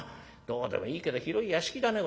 どうでもいいけど広い屋敷だね